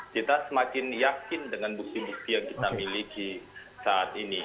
kita semakin yakin dengan bukti bukti yang kita miliki saat ini